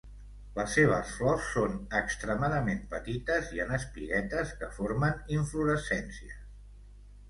Les seves flors són extremadament petites i en espiguetes que formen inflorescències.